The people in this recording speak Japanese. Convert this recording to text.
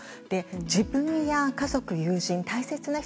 自分や家族、友人、大切な人